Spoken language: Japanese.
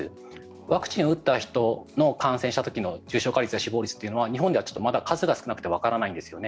ワクチンを打った人の感染した時の重症化率や死亡率は日本ではまだ数が少なくてわからないんですよ。